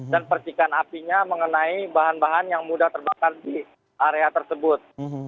dan persikan apinya mengenai bahan bahan yang mudah terbakar di area tersebut